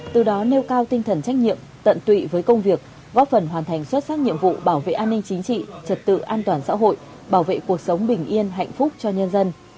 từ đó nêu cao tinh thần trách nhiệm tận tụy với công việc góp phần hoàn thành xuất sắc nhiệm vụ bảo vệ an ninh chính trị trật tự an toàn xã hội bảo vệ cuộc sống bình yên hạnh phúc cho nhân dân